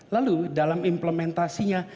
lalu dalam implementasinya